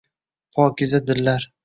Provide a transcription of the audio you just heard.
Pokiza dillar